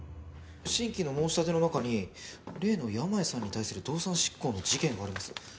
新規の申し立ての中に例の山家さんに対する動産執行の事件があります。